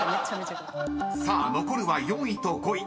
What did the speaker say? ［さあ残るは４位と５位。